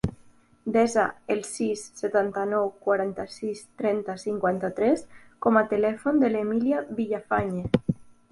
Desa el sis, setanta-nou, quaranta-sis, trenta, cinquanta-tres com a telèfon de l'Emília Villafañe.